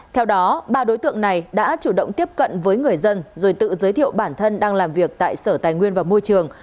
theo đó ba đối tượng này đã chủ động tiếp cận với người dân rồi tự giới thiệu bản thân đang làm việc tại sở tài nguyên và môi trường